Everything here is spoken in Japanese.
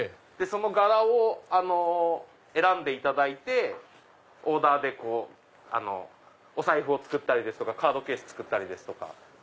その柄を選んでいただいてオーダーでお財布を作ったりカードケースを作ったりとか。